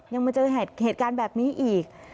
มาเจอเหตุการณ์แบบนี้อีก